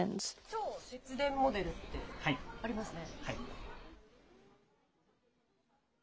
超節電モデルってありますね。